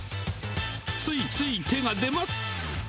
ついつい手が出ます。